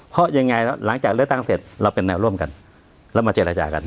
เพราะยังไงหลังจากเลือกตั้งเสร็จเราเป็นแนวร่วมกันแล้วมาเจรจากัน